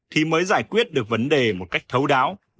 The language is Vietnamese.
thì mới giải quyết được vấn đề một cách thông minh